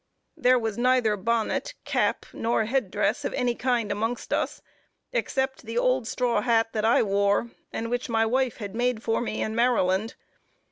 There was neither bonnet, cap, nor head dress of any kind amongst us, except the old straw hat that I wore, and which my wife had made for me in Maryland.